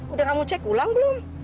udah kamu cek ulang belum